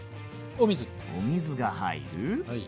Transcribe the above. お水が入る。